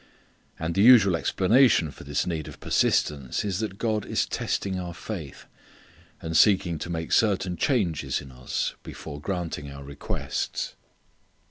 And the usual explanation for this need of persistence is that God is testing our faith, and seeking to make certain changes in us, before granting our requests.